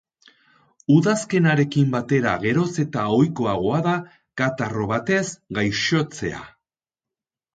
Udazkenarekin batera geroz eta ohikoagoa da katarro batez gaixotzea.